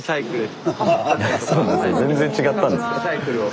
全然違ったんです。